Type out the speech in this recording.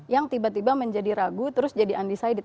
yang tiba tiba menjadi ragu terus jadi undecided